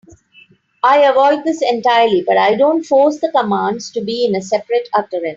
I avoid this entirely, but I don't force the commands to be in a separate utterance.